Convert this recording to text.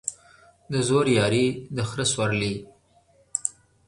د زورياري ، د خره سورلى.